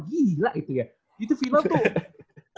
gila itu ya itu film tuh